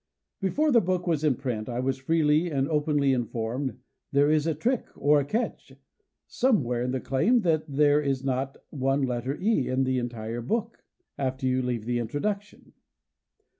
Before the book was in print, I was freely and openly informed "there is a trick, or catch," somewhere in that claim that there is not one letter E in the entire book, after you leave the Introduction.